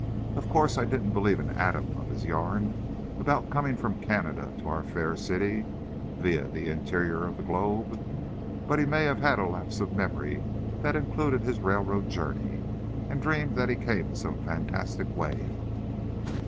Of course, I didn't believe an atom of his yarn about coming from Canada to our fair city via the interior of the globe, but he may have had a lapse of memory that included his railroad journey, and dreamed that he came in some fantastic way.